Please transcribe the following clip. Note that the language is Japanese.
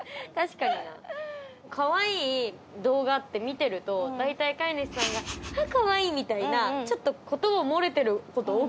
かわいい動画って見てると大体飼い主さんが「かわいい」みたいなちょっと言葉漏れてること多くないですか。